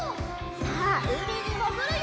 さあうみにもぐるよ！